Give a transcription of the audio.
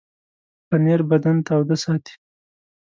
پنېر بدن تاوده ساتي.